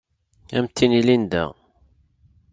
Ad am-t-tini Linda.